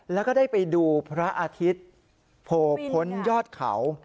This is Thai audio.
แล้วก็ได้ไปดูพระอาทิตย์โผล่พ้นยอดเขา